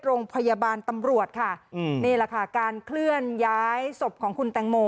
โรงพยาบาลตำรวจค่ะอืมนี่แหละค่ะการเคลื่อนย้ายศพของคุณแตงโม